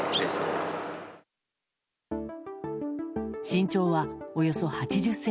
身長はおよそ８０ｃｍ。